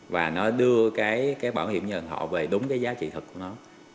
và nó đưa cái bảo hiểm nhân thọ về đúng cái giá trị thật của nó